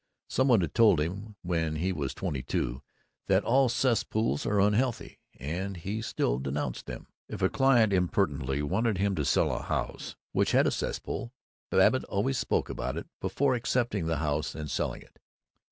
Some one had told him, when he was twenty two, that all cesspools were unhealthy, and he still denounced them. If a client impertinently wanted him to sell a house which had a cesspool, Babbitt always spoke about it before accepting the house and selling it.